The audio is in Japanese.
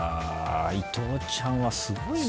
伊藤ちゃんはすごいな。